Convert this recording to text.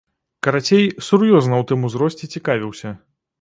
Карацей, сур'ёзна ў тым узросце цікавіўся.